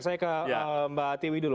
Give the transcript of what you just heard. saya ke mbak tiwi dulu